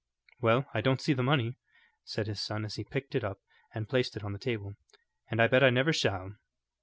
"Well, I don't see the money," said his son as he picked it up and placed it on the table, "and I bet I never shall."